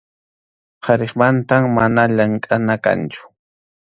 qariqmantam mana llamkʼana kanchu.